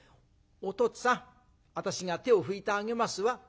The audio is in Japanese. お父つぁん私が手を拭いてあげますわ。